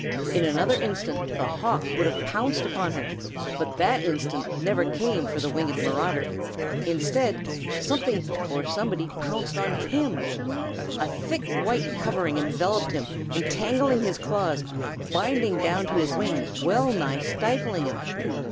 In another instant the hawk would have pounced upon her, but that instant never came for the winged marauder. Instead, something or somebody pounced on him. A thick white covering enveloped him, entangling his claws, binding down his wings, well nigh stifling him.